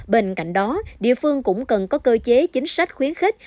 bên cạnh đó địa phương cũng cần có cơ chế chính sách khuyến khích